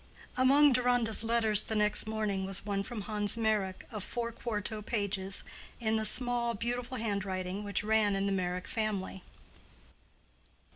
Among Deronda's letters the next morning was one from Hans Meyrick of four quarto pages, in the small, beautiful handwriting which ran in the Meyrick family.